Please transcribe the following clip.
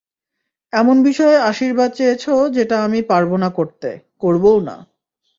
এমন বিষয়ে আশীর্বাদ চেয়েছ যেটা আমি পারব না করতে, করবও না।